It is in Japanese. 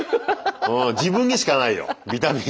自分にしかないよビタミン。